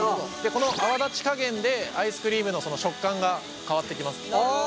この泡立ち加減でアイスクリームの食感が変わってきます。